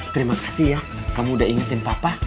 terima kasih ya kamu udah ingetin papa